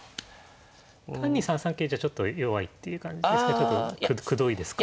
単に３三桂じゃちょっと弱いっていう感じですがちょっとくどいですか？